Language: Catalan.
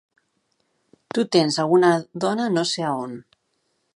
Tu tens alguna dona, no sé a on